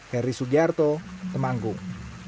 heri sugiarto temanggung